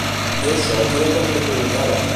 I això quina cosa li provocava?